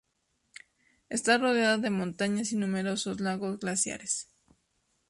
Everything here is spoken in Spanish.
Está rodeada de montañas y numerosos lagos glaciares.